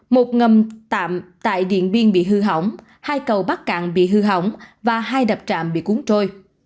một ngầm tạm tại điện biên bị hư hỏng hai cầu bắc cạn bị hư hỏng và hai đập trạm bị cuốn trôi